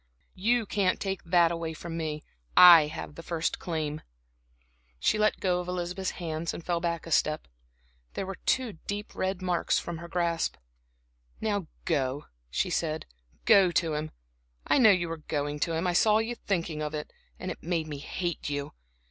You can't take that away from me I have the first claim." She let go of Elizabeth's hands and fell back a step. There were two deep red marks from her grasp. "Now go," she said, "go to him. I knew you were going to him I saw you thinking of it, and it made me hate you.